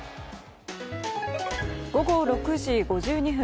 午後６時５２分。